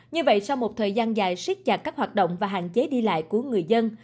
như vậy sau một thời gian dài xích chặt các hoạt động và hạn chế đi lại của người dân